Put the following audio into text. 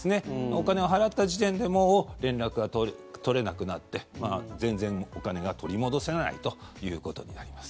お金を払った時点でもう連絡が取れなくなって全然お金が取り戻せないということになります。